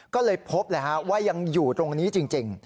ก็เลยพบเลยฮะว่ายังอยู่ตรงนี้จริง